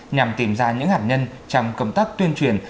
nhằm tìm ra những hạt nhân trong công tác tuyên truyền